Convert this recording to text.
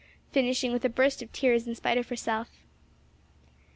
finishing with a burst of tears in spite of herself.